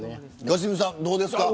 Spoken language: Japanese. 良純さん、どうですか。